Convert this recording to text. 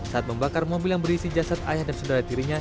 saat membakar mobil yang berisi jasad ayah dan saudara tirinya